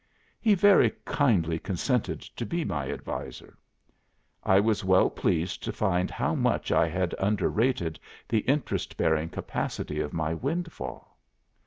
He very kindly consented to be my adviser. I was well pleased to find how much I had underrated the interest bearing capacity of my windfall.